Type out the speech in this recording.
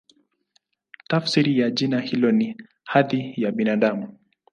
Tafsiri ya jina hilo ni "Hadhi ya Binadamu".